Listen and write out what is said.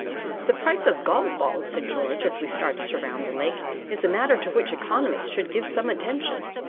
"The price of golf balls," said George, as we started to round the lake, "is a matter to which economists should give some attention.